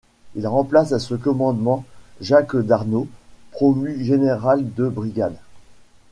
Il remplace à ce commandement Jacques Darnaud, promu général de brigade.